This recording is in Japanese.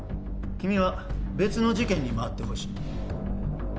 君は別の事件に回ってほしい。